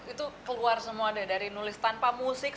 itu keluar semua deh dari nulis tanpa musik